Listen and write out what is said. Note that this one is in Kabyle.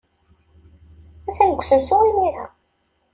Atan deg usensu imir-a.